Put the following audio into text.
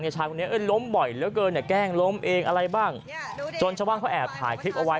ในชาวนี้ล้มบ่อยเกรงล้มเองอะไรบ้างจนชาวบ้านอาหารคลิปเอาไว้